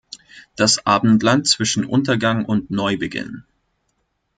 Das Abendland zwischen Untergang und Neubeginn".